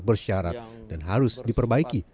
bersyarat dan harus diperbaiki